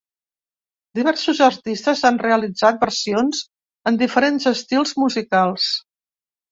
Diversos artistes han realitzat versions en diferents estils musicals.